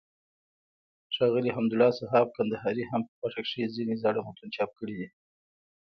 ښاغلي حمدالله صحاف کندهاري هم په کوټه کښي ځينې زاړه متون چاپ کړي دي.